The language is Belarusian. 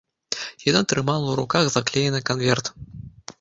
Яна трымала ў руках заклеены канверт.